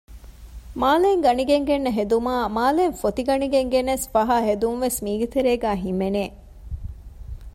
މާލެއިން ގަނެގެން ގެންނަ ހެދުމާއި މާލެއިން ފޮތި ގަނެގެން ގެނެސް ފަހާ ހެދުންވެސް މީގެ ތެރޭގައި ހިމެނެ